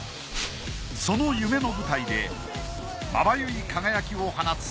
その夢の舞台でまばゆい輝きを放つ若き侍